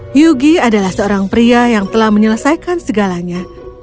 hyugi adalah seorang pria yang telah menyelesaikan segalanya